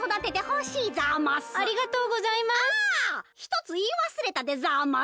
ひとついいわすれたでざます。